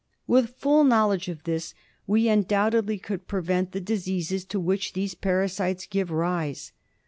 With full knowledge of this we undoubtedly could prevent the diseases to which these parasites give rise.